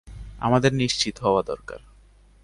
আমাদের নিশ্চিত হওয়া দরকার।